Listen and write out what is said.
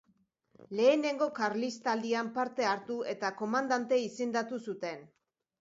Lehenengo Karlistaldian parte hartu eta komandante izendatu zuten.